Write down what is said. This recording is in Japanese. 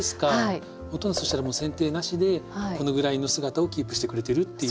そしたらせん定なしでこのぐらいの姿をキープしてくれてるっていう。